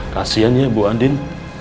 kasian ya bu andin